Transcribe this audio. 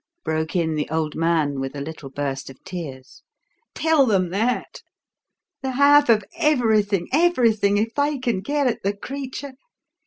broke in the old man with a little burst of tears. "Tell them that. The half of everything everything if they can get at the creature.